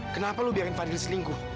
kenapa lo biarin fadil selingkuh